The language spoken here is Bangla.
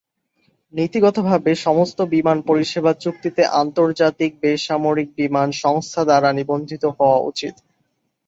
নীতিগতভাবে সমস্ত বিমান পরিসেবা চুক্তিতে আন্তর্জাতিক বেসামরিক বিমান সংস্থা দ্বারা নিবন্ধিত হওয়া উচিত।